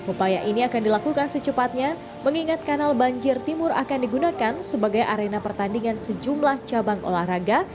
upaya ini akan dilakukan secepatnya mengingat kanal banjir timur akan digunakan sebagai arena pertandingan sejumlah cabang olahraga